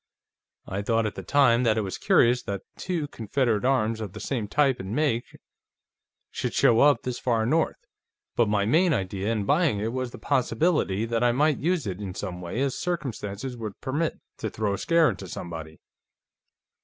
I thought at the time that it was curious that two Confederate arms of the same type and make should show up this far north, but my main idea in buying it was the possibility that I might use it, in some way as circumstances would permit, to throw a scare into somebody.